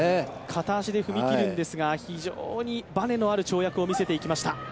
片足で踏み切るんですが、非常にばねのある跳躍を見せていきました。